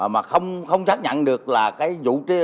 mà không xác nhận được là cái vụ